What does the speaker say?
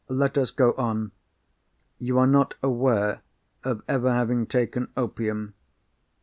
Let us go on. You are not aware of ever having taken opium.